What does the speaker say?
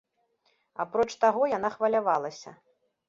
Апроч таго, яна хвалявалася.